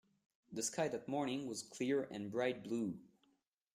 The sky that morning was clear and bright blue.